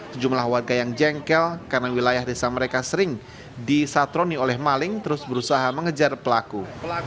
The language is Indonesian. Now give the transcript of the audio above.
sejumlah warga yang jengkel karena wilayah desa mereka sering disatroni oleh maling terus berusaha mengejar pelaku